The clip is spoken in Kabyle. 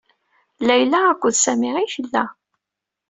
Layla akked Sami ay tella?